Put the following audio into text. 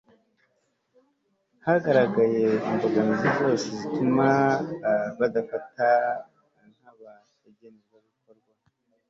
hagaragaye imbogamizi zose zituma badafatwa nk'abagenerwabikorwa